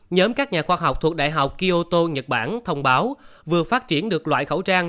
nhóm các nhà khoa học thuộc đại học kioto nhật bản thông báo vừa phát triển được loại khẩu trang